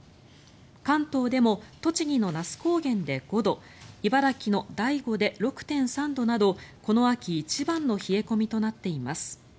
関東でも栃木の那須高原で５度茨城の大子で６．３度などこの秋一番の冷え込みとなっています。